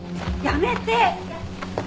やめて！